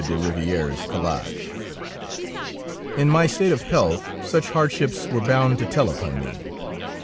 de Rivière's calash. In my state of health such hardships were bound to tell upon me.